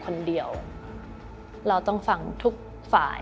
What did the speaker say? อเรนนี่แล้วอเรนนี่แล้วอเรนนี่แล้ว